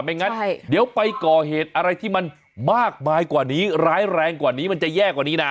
งั้นเดี๋ยวไปก่อเหตุอะไรที่มันมากมายกว่านี้ร้ายแรงกว่านี้มันจะแย่กว่านี้นะ